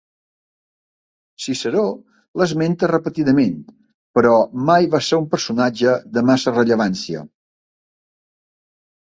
Ciceró l'esmenta repetidament però mai va ser un personatge de massa rellevància.